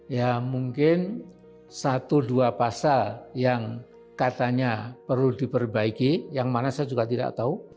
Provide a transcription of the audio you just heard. ya mungkin satu dua pasal yang katanya perlu diperbaiki yang mana saya juga tidak tahu